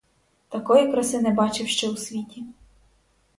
Такої краси не бачив ще у світі.